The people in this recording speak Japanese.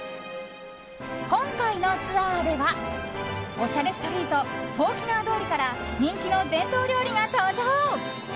今回のツアーではおしゃれストリートフォーキナー通りから人気の伝統料理が登場。